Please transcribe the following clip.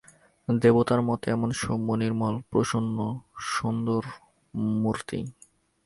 দেবতার মতো এমন সৌম্য-নির্মল প্রসন্ন-সন্দুর মূর্তি!